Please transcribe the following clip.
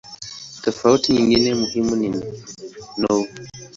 Tofauti nyingine muhimu ni no.